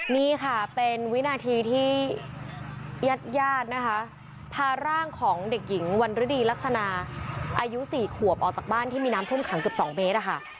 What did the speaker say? นี่ค่ะเป็นวินาทีที่ญาติญาตินะคะพาร่างของเด็กหญิงวันฤดีลักษณะอายุ๔ขวบออกจากบ้านที่มีน้ำท่วมขังเกือบ๒เมตรอะค่ะ